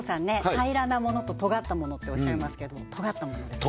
平らなものととがったものっておっしゃいますけどもとがったものですね